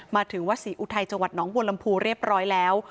มาถึงวัดศรีอุทัยจังหวัดน้องบัวลำพูเรียบร้อยแล้ว